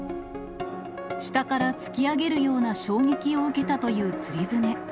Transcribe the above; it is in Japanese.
下から突き上げるような衝撃を受けたという釣り船。